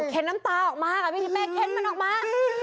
เห็นน้ำตาออกมากว่าพี่แม่เห็นมันออกมา